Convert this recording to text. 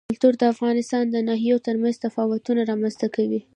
کلتور د افغانستان د ناحیو ترمنځ تفاوتونه رامنځ ته کوي.